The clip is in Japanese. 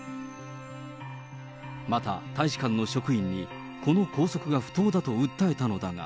また、大使館の職員に、この拘束が不当だと訴えたのだが。